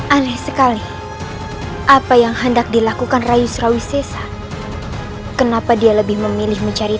aneh sekali apa yang hendak dilakukan rayu srawisesa kenapa dia lebih memilih mencari